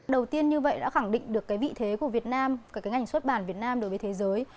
đầu tiên như vậy đã khẳng định được cái vị thế của việt nam cả cái ngành xuất bản việt nam đối với thế giới